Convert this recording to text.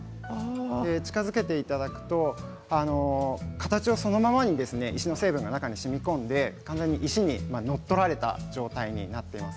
近づけていただくと形はそのままに石の成分が中にしみこんで石に乗っ取られたものになっています。